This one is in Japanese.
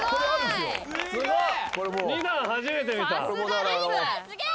すごい！２段初めて見た。